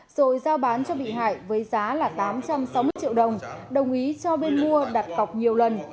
rồi giao bán cho bị hại với giá là tám trăm sáu mươi triệu đồng đồng ý cho bên mua đặt cọc nhiều lần